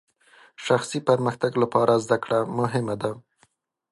شخصي پرمختګ لپاره زدهکړه مهمه ده.